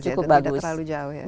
tidak terlalu jauh ya